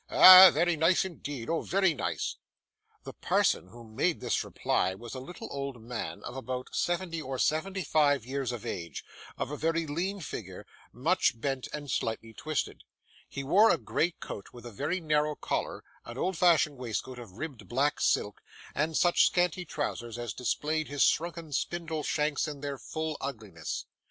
Ah! very nice indeed. Oh! very nice!' The parson who made this reply was a little old man, of about seventy or seventy five years of age, of a very lean figure, much bent and slightly twisted. He wore a grey coat with a very narrow collar, an old fashioned waistcoat of ribbed black silk, and such scanty trousers as displayed his shrunken spindle shanks in their full ugliness.